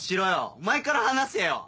お前から話せよ！